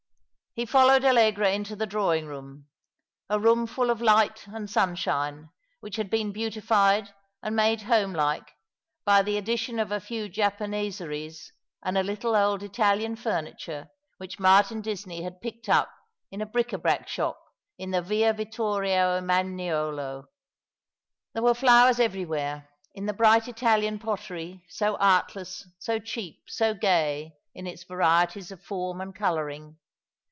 He followed Allcgra into the drawing room — a room full of light and sunshine, which had been beautified and made homelike by the addition of a few Japaneseries and a little old Italian furniture which Martin Disney had picked up at a bric a brac shop in the Yia Yittorio Eraanuelo. There were flowers everywhere, in the bright Italian pottery, so artless, so cheap, so gay, in its varieties of form and colour ing.